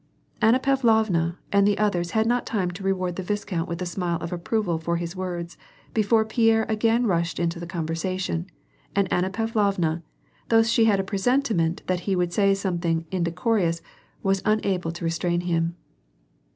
Anna Pavlovna and the others had not time to reward the viscount with a smile of approval for his words, before Pierre again rushed into the conversation, and Anna Pavlovna, though she had a presentiment that he would say something indecorous, was unable to restrain him.